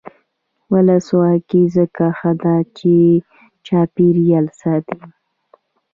ولسواکي ځکه ښه ده چې چاپیریال ساتي.